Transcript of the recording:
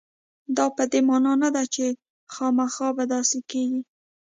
دا په دې معنا نه ده چې خامخا به داسې کېږي.